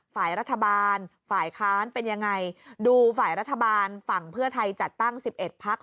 ฝ่ายรัฐบาลฝ่ายค้านเป็นยังไงดูฝ่ายรัฐบาลฝั่งเพื่อไทยจัดตั้ง๑๑พัก